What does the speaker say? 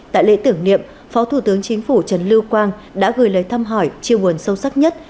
tại lễ tưởng niệm phó thủ tướng chính phủ trần lưu quang đã gửi lời thăm hỏi chiêu buồn sâu sắc nhất